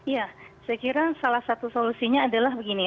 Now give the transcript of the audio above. ya saya kira salah satu solusinya adalah begini